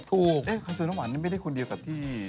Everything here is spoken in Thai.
ถูกเอ๊ะโซนน้ำหวานนี่ไม่ได้คุณเดียวกับที่